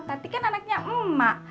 tapi kan anaknya emak